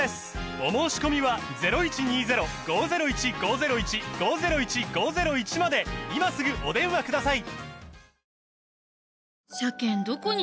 お申込みは今すぐお電話ください